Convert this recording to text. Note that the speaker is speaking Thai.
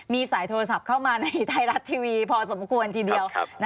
มีสายโทรศัพท์เข้ามาในไทยรัฐทีวีพอสมควรทีเดียว